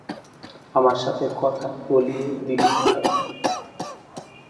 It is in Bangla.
আমার সাথে কথা বলিয়ে দিলেই পারতে।